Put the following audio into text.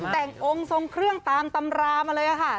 แต่งองค์ทรงเครื่องตามตำรามาเลยค่ะ